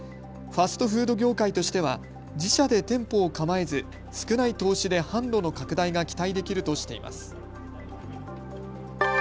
ファストフード業界としては自社で店舗を構えず少ない投資で販路の拡大が期待できるとしています。